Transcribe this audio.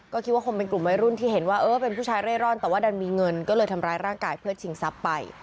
ก็คิดว่าคงเป็นกลุ่มวัยรุ่นที่เห็นว่าเออเป็นผู้ชายเร่ร่อนแต่ว่าดันมีเงินก็เลยทำร้ายร่างกายเพื่อชิงทรัพย์ไป